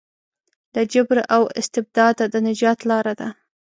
له جبر او استبداده د نجات لاره ده.